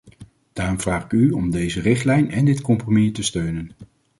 Daarom vraag ik u om deze richtlijn en dit compromis te steunen.